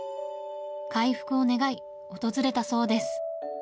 回復を願い、訪れたそうです。